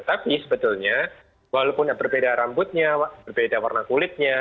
tapi sebetulnya walaupun berbeda rambutnya berbeda warna kulitnya